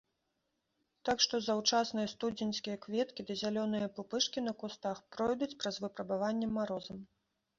Так што заўчасныя студзеньскія кветкі ды зялёныя пупышкі на кустах пройдуць праз выпрабаванне марозам.